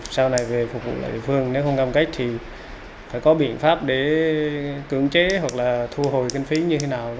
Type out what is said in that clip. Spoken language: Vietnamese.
sau này về phục vụ lại địa phương nếu không cam cách thì phải có biện pháp để cưỡng chế hoặc là thu hồi kinh phí như thế nào